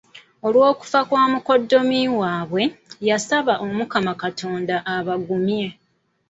Olwokufa kwa mukoddomi waabwe, yasaba Omukama Katonda abagumye.